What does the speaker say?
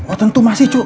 oh tentu masih cuk